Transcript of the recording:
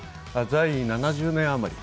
在位７０年余り。